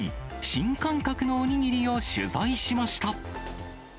新感覚のお握りを取材しました。